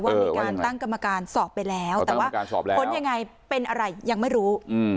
มีการตั้งกรรมการสอบไปแล้วแต่ว่าผลยังไงเป็นอะไรยังไม่รู้